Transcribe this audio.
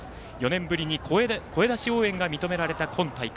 ４年ぶりに声出し応援が認められた今大会。